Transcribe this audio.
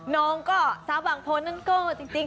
น้องก็สาวบางคนนั้นก็จริง